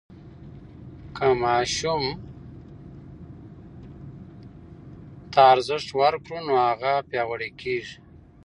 که ماشوم ته ارزښت ورکړو نو هغه پیاوړی کېږي.